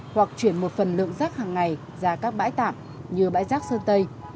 hoặc chuyển một phần lượng rác hàng ngày ra các bãi tạm như bãi rác sơn tây